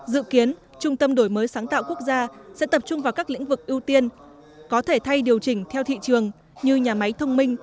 dự kiến trung tâm đổi mới sáng tạo quốc gia sẽ tập trung vào các lĩnh vực ưu tiên có thể thay điều chỉnh theo thị trường như nhà máy thông minh